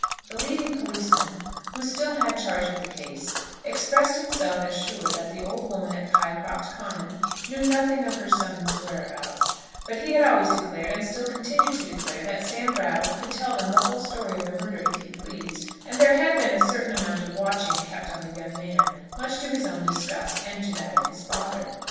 The leading policeman, who still had charge of the case, expressed himself as sure that the old woman at Pycroft Common knew nothing of her son's whereabouts; but he had always declared, and still continued to declare, that Sam Brattle could tell them the whole story of the murder if he pleased, and there had been a certain amount of watching kept on the young man, much to his own disgust, and to that of his father.